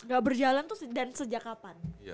gak berjalan tuh dan sejak kapan